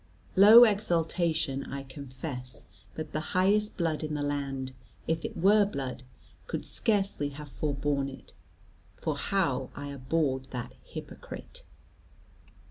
Low exultation I confess: but the highest blood in the land, if it were blood, could scarcely have forborne it: for how I abhorred that hypocrite!